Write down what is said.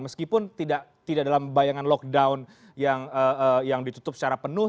meskipun tidak dalam bayangan lockdown yang ditutup secara penuh